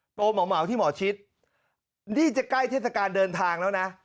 โปรเหมาที่หมอชิดนี่จะใกล้เทศกาลเดินทางแล้วนะ